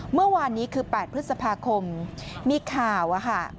เมื่อวานนี้คือ๘พฤษภาคมมีข่าวอะค่ะ